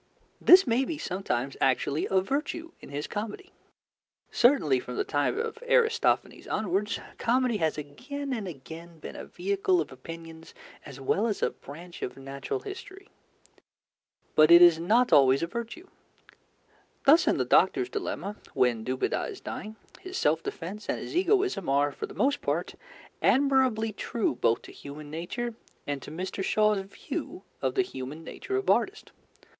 This may be sometimes actually a virtue in his comedy. Certainly, from the time of Aristophanes onwards, comedy has again and again been a vehicle of opinions as well as a branch of natural history. But it is not always a virtue. Thus in The Doctors Dilemma, when Dubedat is dying, his self defence and his egoism are for the most part admirably true both to human nature and to Mr. Shaw's view of the human nature of artists.